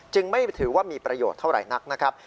ไม่ถือว่ามีประโยชน์เท่าไหร่นักนะครับ